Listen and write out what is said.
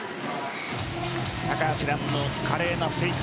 高橋藍の華麗なフェイク